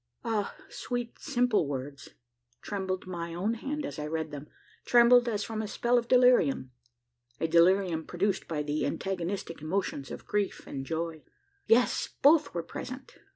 Ah! sweet simple words! Trembled my own hand as I read them trembled as from a spell of delirium a delirium produced by the antagonistic emotions of grief and joy! Yes! both were present.